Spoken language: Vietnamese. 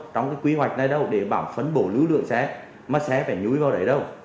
trong cái quy hoạch này đâu để bảo phân bổ lưu lượng xe mà xe phải nhúi vào đấy đâu